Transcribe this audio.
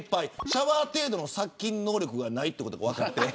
シャワー程度の殺菌能力がないということが分かって。